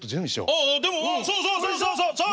ああでもそうそうそうそうそう！